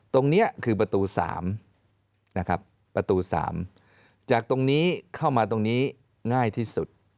ตรงนี้คือประตู๓นะครับประตู๓จากตรงนี้เข้ามาตรงนี้ง่ายที่สุด